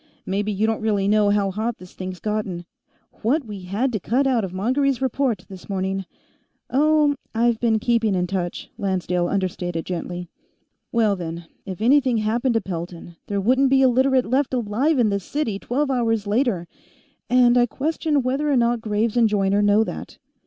"Maybe you don't really know how hot this thing's gotten. What we had to cut out of Mongery's report, this morning " "Oh, I've been keeping in touch," Lancedale understated gently. "Well then. If anything happened to Pelton, there wouldn't be a Literate left alive in this city twelve hours later. And I question whether or not Graves and Joyner know that."